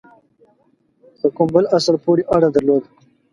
په کوم بل اصل پوري اړه درلوده.